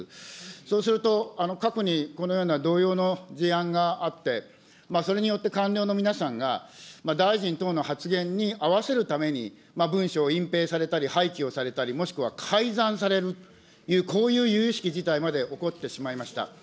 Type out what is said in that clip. そうすると、過去にこのような同様の事案があって、それによって官僚の皆さんが大臣等の発言に合わせるために、文書を隠蔽されたり、廃棄をされたり、もしくは改ざんされる、こういうゆゆしき事態まで起こってしまいました。